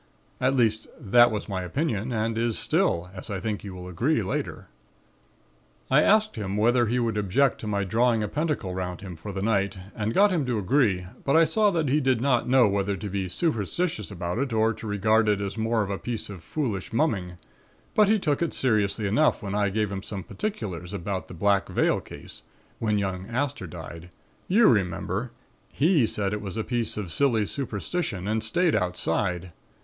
At least, that was my opinion and is still, as I think you will agree later. "I asked him whether he would object to my drawing a pentacle 'round him for the night and got him to agree, but I saw that he did not know whether to be superstitious about it or to regard it more as a piece of foolish mumming; but he took it seriously enough when I gave him some particulars about the Black Veil case, when young Aster died. You remember, he said it was a piece of silly superstition and stayed outside.